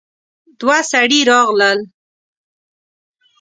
دوه سړي راغلل.